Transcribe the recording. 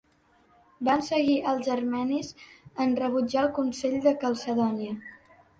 Van seguir els armenis en rebutjar el Consell de Calcedònia.